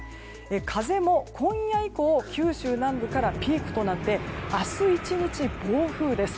風も今夜以降九州南部からピークとなって明日１日、暴風です。